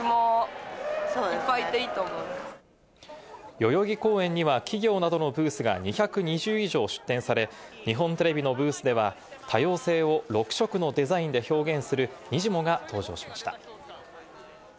代々木公園には企業などのブースが２２０以上出店され、日本テレビのブースでは多様性を６色のデザインで表現する、にじモがが登場しました。